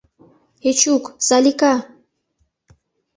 Эчук, Салика!